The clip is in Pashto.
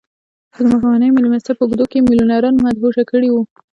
چې د ماښامنۍ مېلمستیا په اوږدو کې يې ميليونران مدهوشه کړي وو.